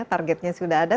targetnya sudah ada